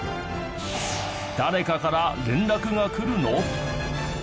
誰かから連絡が来るの？